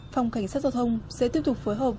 phòng cảnh sát giao thông sẽ tiếp tục phối hợp